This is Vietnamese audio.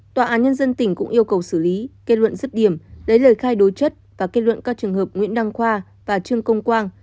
tòa án nhân dân tỉnh cũng yêu cầu xử lý kết luận dứt điểm lấy lời khai đối chất và kết luận các trường hợp nguyễn đăng khoa và trương công quang